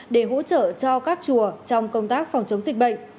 để hỗ trợ cho các chùa trong công tác phòng chống dịch bệnh